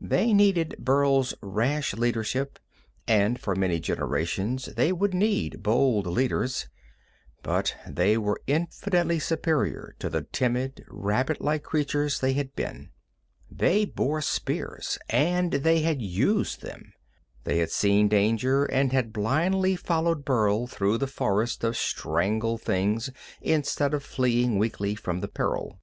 They needed Burl's rash leadership, and for many generations they would need bold leaders, but they were infinitely superior to the timid, rabbit like creatures they had been. They bore spears, and they had used them. They had seen danger, and had blindly followed Burl through the forest of strangled things instead of fleeing weakly from the peril.